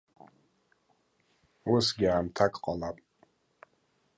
Усгьы аамҭак ҟалап.